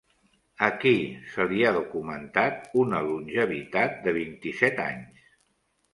A qui se li ha documentat una longevitat de vint-i-set anys?